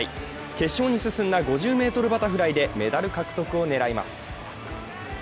決勝に進んだ５０ｍバタフライでメダル獲得を狙います。